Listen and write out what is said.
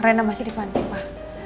rena masih di panti pak